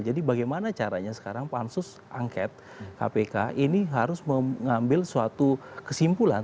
bagaimana caranya sekarang pansus angket kpk ini harus mengambil suatu kesimpulan